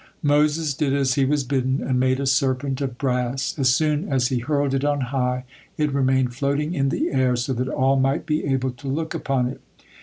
Moses did as he was bidden, and made a serpent of brass. As soon as he hurled it on high, it remained floating in the air, so that all might be able to look upon it.